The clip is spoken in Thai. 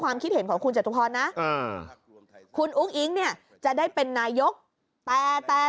คิดเห็นของคุณจตุพรนะคุณอุ้งอิ๊งเนี่ยจะได้เป็นนายกแต่แต่